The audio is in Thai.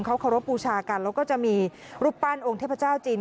เขาเคารพบูชากันแล้วก็จะมีรูปปั้นองค์เทพเจ้าจีน